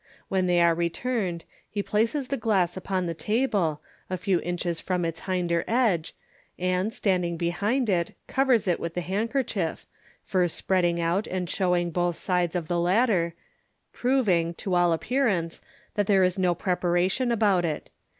When they are returned, he places the glass upon the table, a few inches from its hinder edge, and standing behind itg 368 MODERN MAGIC, covers it with the handkerchief, first spreading out and showing both sides of the latter, proving, to all appearance, that there is no pre paration about it.